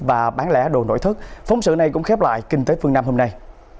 và bán lẻ đồ nội thức phóng sự này cũng khép lại kinh tế phương nam hôm nay